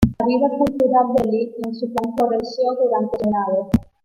La vida cultural de Delhi en su conjunto floreció durante su reinado.